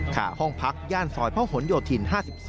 ขาห้องพักย่านซอยพระหลโยธิน๕๒